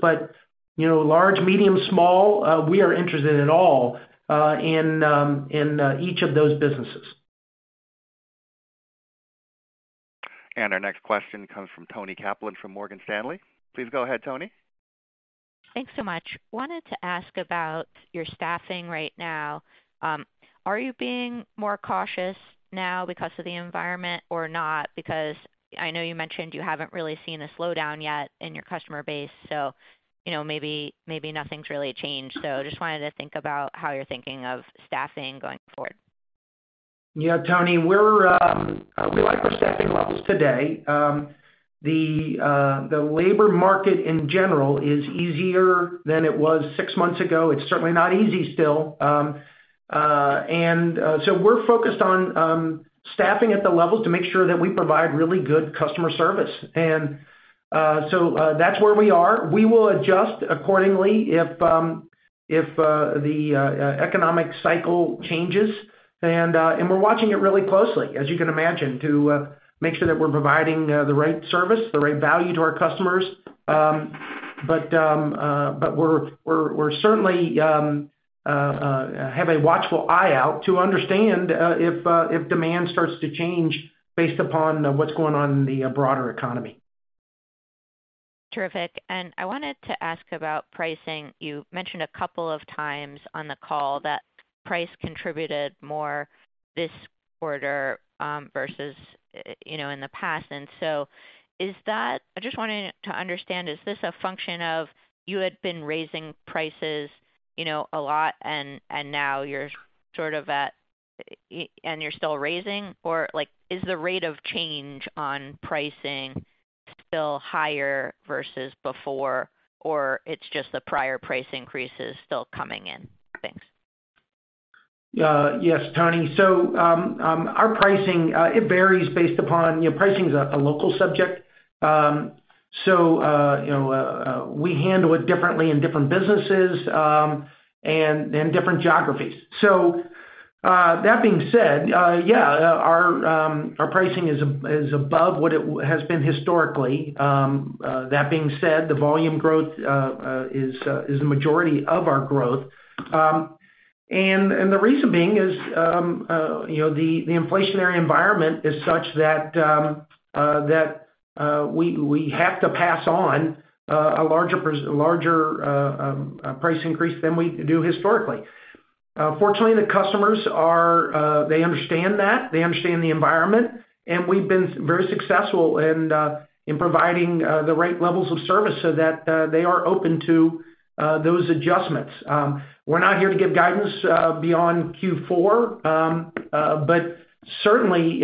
You know, large, medium, small, we are interested in all in each of those businesses. Our next question comes from Toni Kaplan from Morgan Stanley. Please go ahead, Toni. Thanks so much. Wanted to ask about your staffing right now. Are you being more cautious now because of the environment or not? I know you mentioned you haven't really seen a slowdown yet in your customer base, so, you know, maybe nothing's really changed. Just wanted to think about how you're thinking of staffing going forward. Yeah, Toni, we're, we like our staffing levels today. The labor market in general is easier than it was six months ago. It's certainly not easy still. We're focused on staffing at the levels to make sure that we provide really good customer service. That's where we are. We will adjust accordingly if the economic cycle changes. We're watching it really closely, as you can imagine, to make sure that we're providing the right service, the right value to our customers. We're certainly have a watchful eye out to understand if demand starts to change based upon what's going on in the broader economy. Terrific. I wanted to ask about pricing. You mentioned a couple of times on the call that price contributed more this quarter, versus, you know, in the past. I just wanted to understand, is this a function of you had been raising prices, you know, a lot and now you're sort of at and you're still raising? Like, is the rate of change on pricing still higher versus before, or it's just the prior price increases still coming in? Thanks. Yes, Toni. Our pricing, it varies based upon, you know, pricing's a local subject. You know, we handle it differently in different businesses, and in different geographies. That being said, yeah, our pricing is above what it has been historically. That being said, the volume growth is the majority of our growth. The reason being is, you know, the inflationary environment is such that, we have to pass on a larger price increase than we do historically. Fortunately, the customers are-- they understand that, they understand the environment, we've been very successful in providing the right levels of service so that they are open to those adjustments. We're not here to give guidance beyond Q4. Certainly,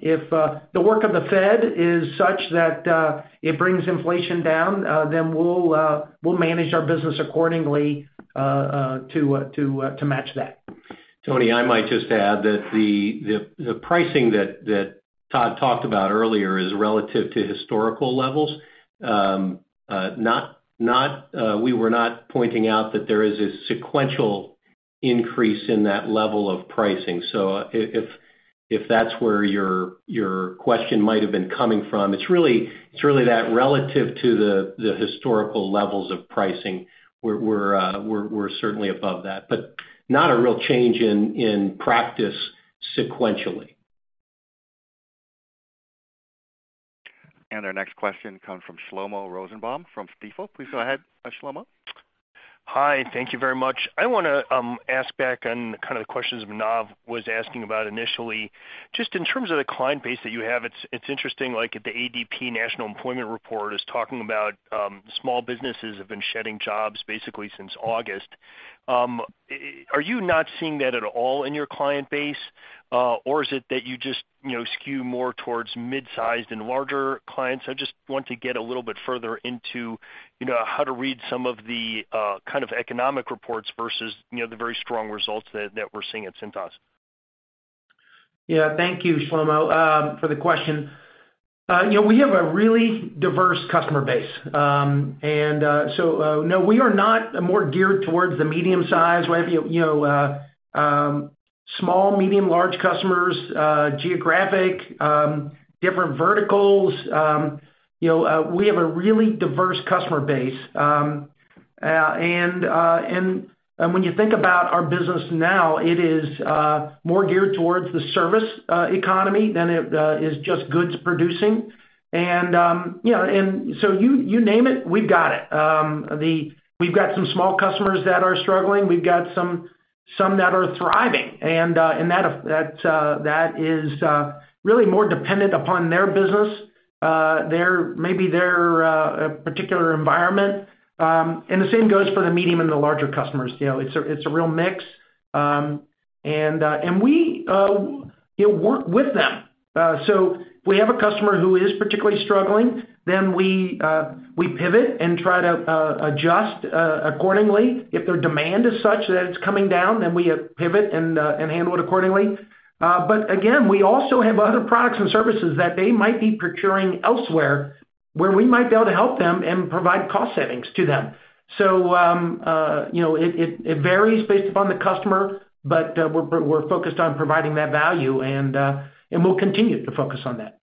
if the work of the Fed is such that it brings inflation down, then we'll manage our business accordingly to match that. Toni, I might just add that the pricing that Todd talked about earlier is relative to historical levels. We were not pointing out that there is a sequential increase in that level of pricing. If that's where your question might have been coming from, it's really that relative to the historical levels of pricing we're certainly above that, but not a real change in practice sequentially. Our next question comes from Shlomo Rosenbaum from Stifel. Please go ahead, Shlomo. Hi, thank you very much. I wanna ask back on kind of the questions Manav was asking about initially. Just in terms of the client base that you have, it's interesting, like the ADP National Employment Report is talking about small businesses have been shedding jobs basically since August. Are you not seeing that at all in your client base, or is it that you just, you know, skew more towards mid-sized and larger clients? I just want to get a little bit further into, you know, how to read some of the kind of economic reports versus, you know, the very strong results that we're seeing at Cintas. Yeah. Thank you, Shlomo, for the question. You know, we have a really diverse customer base. So, no, we are not more geared towards the medium size. We have, you know, small, medium, large customers, geographic, different verticals. You know, we have a really diverse customer base. When you think about our business now, it is more geared towards the service economy than it is just goods producing. Yeah, so you name it, we've got it. We've got some small customers that are struggling. We've got some that are thriving, and that is really more dependent upon their business, their, maybe their, particular environment. The same goes for the medium and the larger customers. You know, it's a real mix. We work with them. If we have a customer who is particularly struggling, then we pivot and try to adjust accordingly. If their demand is such that it's coming down, then we pivot and handle it accordingly. Again, we also have other products and services that they might be procuring elsewhere, where we might be able to help them and provide cost savings to them. You know, it varies based upon the customer, but we're focused on providing that value and we'll continue to focus on that.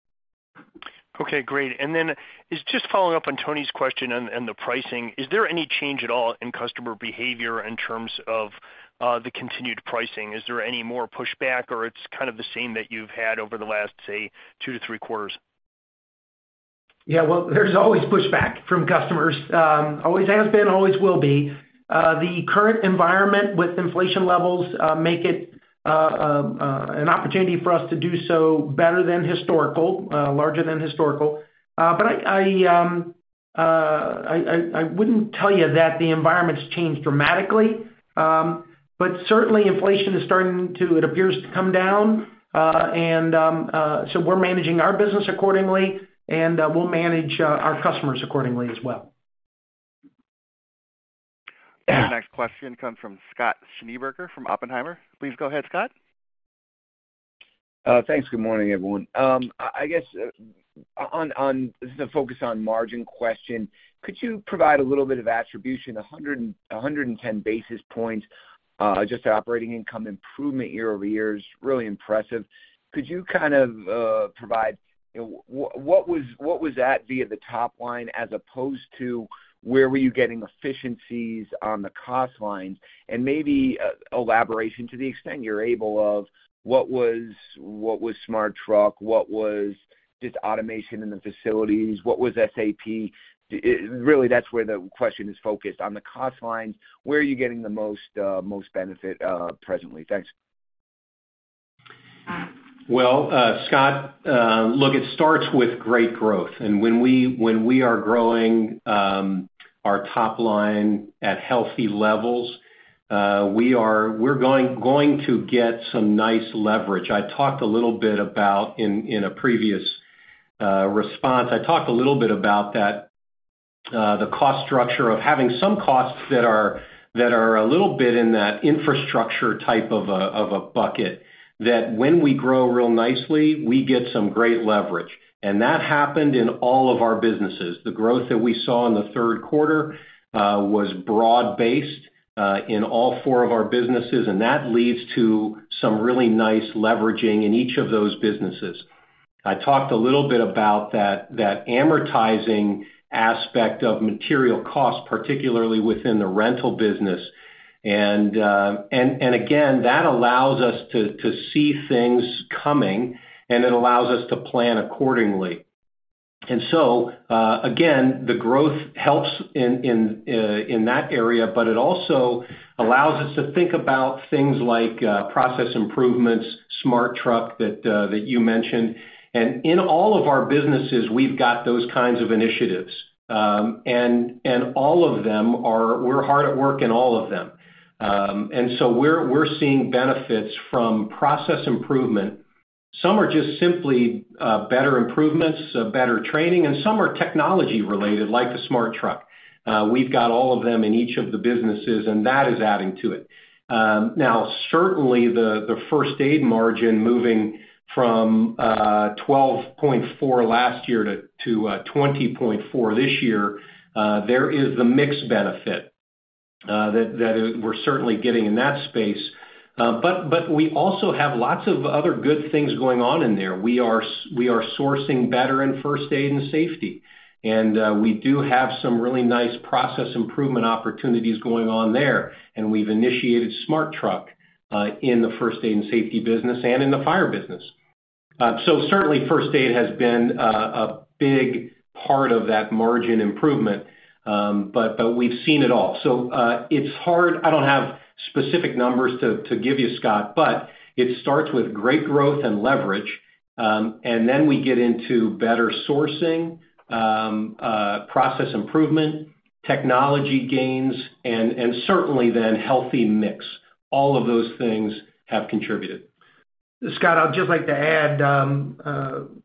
Okay, great. Just following up on Toni's question in the pricing, is there any change at all in customer behavior in terms of the continued pricing? Is there any more pushback or it's kind of the same that you've had over the last, say, two to three quarters? Well, there's always pushback from customers. Always has been, always will be. The current environment with inflation levels, make it an opportunity for us to do so better than historical, larger than historical. I, I wouldn't tell you that the environment's changed dramatically. Certainly inflation is starting to, it appears to come down. So we're managing our business accordingly, and we'll manage our customers accordingly as well. Our next question comes from Scott Schneeberger from Oppenheimer. Please go ahead, Scott. Thanks. Good morning, everyone. I guess on the focus on margin question. Could you provide a little bit of attribution? 110 basis points just operating income improvement year-over-year is really impressive. Could you kind of provide, you know, what was that via the top line as opposed to where were you getting efficiencies on the cost line? Maybe elaboration to the extent you're able of what was SmartTruck, what was just automation in the facilities, what was SAP? Really that's where the question is focused. On the cost line, where are you getting the most benefit presently? Thanks. Well, Scott, look, it starts with great growth. When we, when we are growing, our top line at healthy levels, we're going to get some nice leverage. I talked a little bit about in a previous response. I talked a little bit about that, the cost structure of having some costs that are a little bit in that infrastructure type of a bucket, that when we grow real nicely, we get some great leverage. That happened in all of our businesses. The growth that we saw in the third quarter, was broad-based, in all four of our businesses, and that leads to some really nice leveraging in each of those businesses. I talked a little bit about that amortizing aspect of material costs, particularly within the rental business. Again, that allows us to see things coming, and it allows us to plan accordingly. Again, the growth helps in that area, but it also allows us to think about things like process improvements, SmartTruck that you mentioned. In all of our businesses, we've got those kinds of initiatives. All of them are we're hard at work in all of them. We're seeing benefits from process improvement. Some are just simply better improvements, better training, and some are technology-related, like the SmartTruck. We've got all of them in each of the businesses, and that is adding to it. Now certainly the First Aid margin moving from 12.4% last year to 20.4% this year, there is the mix benefit we're certainly getting in that space. We also have lots of other good things going on in there. We are sourcing better in First Aid & Safety, and we do have some really nice process improvement opportunities going on there. We've initiated SmartTruck in the First Aid & Safety business and in the fire business. Certainly First Aid has been a big part of that margin improvement, but we've seen it all. It's hard. I don't have specific numbers to give you, Scott, but it starts with great growth and leverage. Then we get into better sourcing, process improvement, technology gains, and certainly then healthy mix. All of those things have contributed. Scott, I'd just like to add,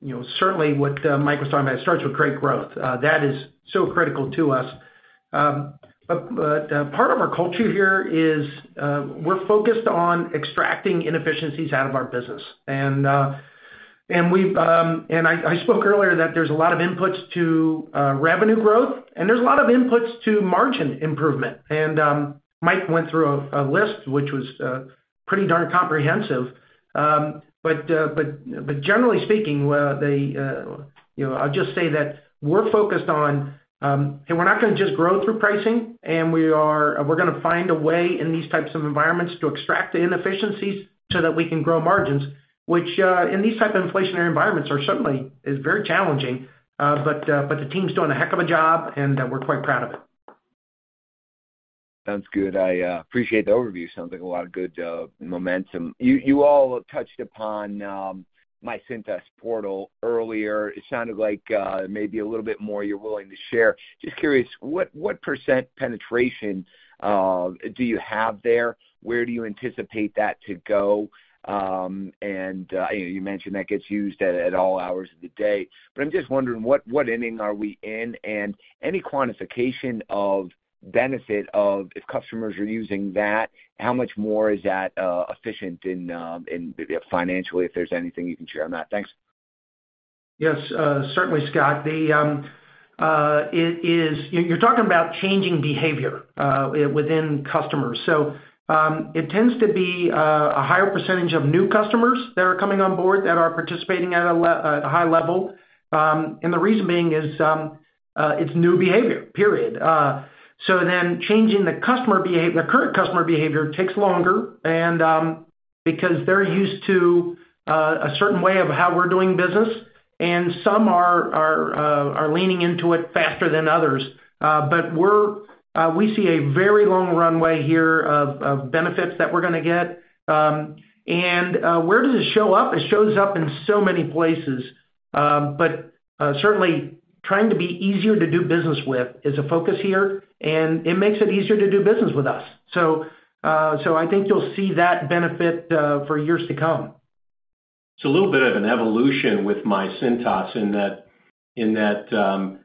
you know, certainly what Mike was talking about, it starts with great growth. That is so critical to us. Part of our culture here is we're focused on extracting inefficiencies out of our business. We've. I spoke earlier that there's a lot of inputs to revenue growth, and there's a lot of inputs to margin improvement. Mike went through a list which was pretty darn comprehensive. Generally speaking, they, you know, I'll just say that we're focused on. We're not gonna just grow through pricing, we're gonna find a way in these types of environments to extract the inefficiencies so that we can grow margins, which, in these type of inflationary environments are certainly is very challenging. But the team's doing a heck of a job, and, we're quite proud of it. Sounds good. I appreciate the overview. Sounds like a lot of good momentum. You all touched upon myCintas portal earlier. It sounded like maybe a little bit more you're willing to share. Just curious, what % penetration do you have there? Where do you anticipate that to go? You know, you mentioned that gets used at all hours of the day. I'm just wondering what inning are we in? Any quantification of benefit of if customers are using that, how much more is that efficient in financially, if there's anything you can share on that? Thanks. Yes, certainly, Scott. The, it is. You're talking about changing behavior within customers. It tends to be a higher % of new customers that are coming on board that are participating at a high level. The reason being is, it's new behavior, period. Changing the customer behavior takes longer and because they're used to a certain way of how we're doing business, and some are leaning into it faster than others. We're, we see a very long runway here of benefits that we're gonna get. Where does it show up? It shows up in so many places. Certainly trying to be easier to do business with is a focus here, and it makes it easier to do business with us. I think you'll see that benefit for years to come. It's a little bit of an evolution with myCintas in that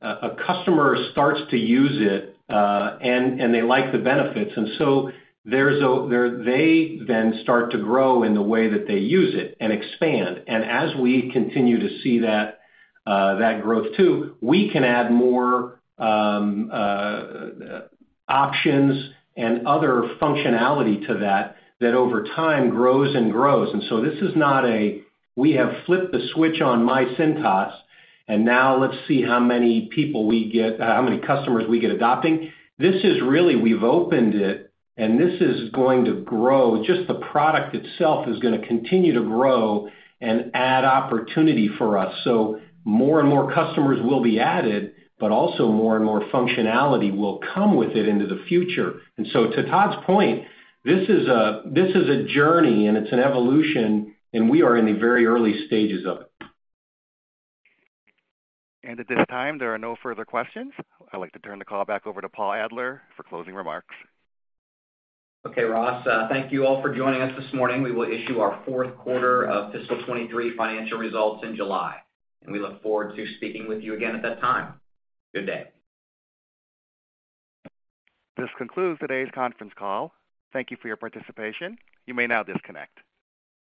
a customer starts to use it and they like the benefits. So they then start to grow in the way that they use it and expand. As we continue to see that growth too, we can add more options and other functionality to that that over time grows and grows. This is not a, "We have flipped the switch on myCintas, and now let's see how many customers we get adopting." This is really, we've opened it, and this is going to grow. Just the product itself is gonna continue to grow and add opportunity for us. More and more customers will be added, but also more and more functionality will come with it into the future. To Todd's point, this is a journey, and it's an evolution, and we are in the very early stages of it. At this time, there are no further questions. I'd like to turn the call back over to Paul Adler for closing remarks. Okay, Ross. thank you all for joining us this morning. We will issue our fourth quarter of fiscal 2023 financial results in July. We look forward to speaking with you again at that time. Good day. This concludes today's conference call. Thank you for your participation. You may now disconnect.